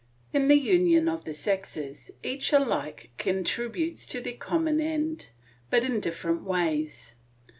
In the union of the sexes each alike contributes to the common end, but in different ways.